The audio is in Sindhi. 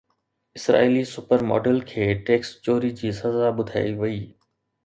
اسرائيلي سپر ماڊل کي ٽيڪس چوري جي سزا ٻڌائي وئي